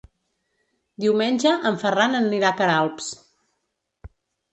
Diumenge en Ferran anirà a Queralbs.